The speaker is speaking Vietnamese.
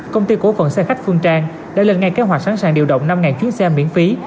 công ty cổ phần xe khách phương trang đã lên ngay kế hoạch sẵn sàng điều động năm chuyến xe miễn phí